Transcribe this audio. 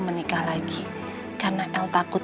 menikah lagi karena el takut